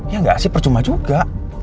ya nggak sih percuma juga